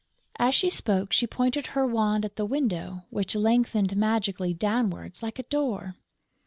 As she spoke, she pointed her wand at the window, which lengthened magically downwards, like a door.